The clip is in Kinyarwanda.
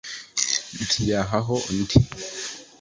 Ntiyahaho undi.